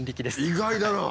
意外だな！